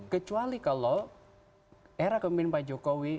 kecuali kalau era kemimpin pak jokowi